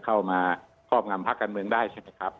เข้ามาครอบงำพักกันเมืองได้ใช่ไหมครับ